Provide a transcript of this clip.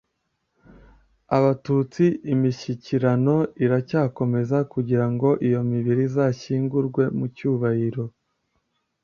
Abatutsi imishyikirano iracyakomeza kugirango iyo mibiri izashyingurwe mu cyubahiro